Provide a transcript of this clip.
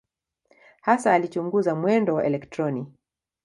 Hasa alichunguza mwendo wa elektroni.